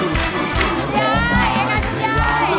สีหน้ารักมาค่ะ